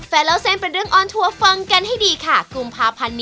แฟนเราเซมเป็นเรื่องออนทรัวร์ฟังกันให้ดีข่า